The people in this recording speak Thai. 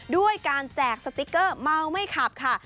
ด้วยการแจกสติ๊กเกอร์เมาไม่ขับค่ะ